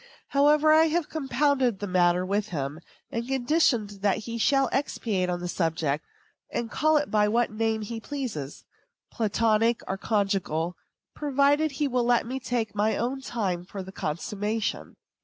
However, I have compounded the matter with him, and conditioned that he shall expatiate on the subject, and call it by what name he pleases, platonic or conjugal, provided he will let me take my own time for the consummation.